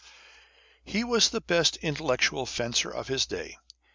He was the best intellectual fencer of his day.